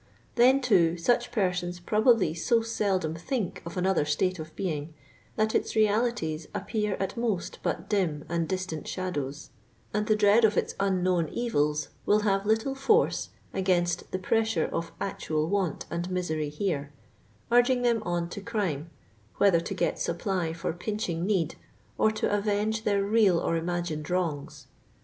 Then, too, such persons probably so seldom think of another state of being, that its realities appear at most but dim and distant sha dows, and the dread of its unknown evils will have little force against the pressure of actual want and misery here, urging them on to crime, whether to get supply for pinching need, or to avenge their real or imagined wrongs.